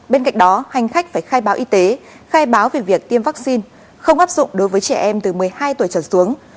bên cạnh đó hành khách phải khai báo y tế khai báo về việc tiêm vaccine không áp dụng đối với trẻ em từ một mươi hai tuổi trở xuống